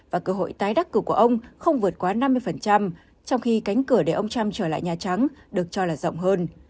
và cơ hội tái đắc cử của ông không vượt quá năm mươi trong khi cánh cửa để ông trump trở lại nhà trắng được cho là rộng hơn